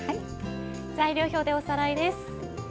材料表でおさらいです。